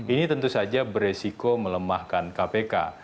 ini tentu saja beresiko melemahkan kpk